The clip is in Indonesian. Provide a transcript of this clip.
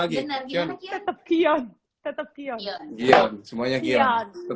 kion tepuk one